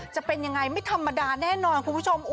จะเป็นยังไงไม่ธรรมดาแน่นอนคุณผู้ชม